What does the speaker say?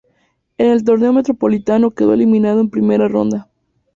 En el torneo Metropolitano quedó eliminado en primera ronda.